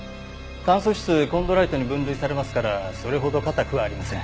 炭素質コンドライトに分類されますからそれほど硬くはありません。